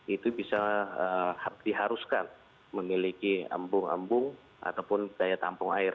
itu bisa diharuskan memiliki embung embung ataupun daya tampung air